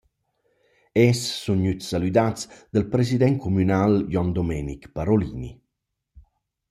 Els sun gnüts salüdats dal president cumünal Jon Domenic Parolini.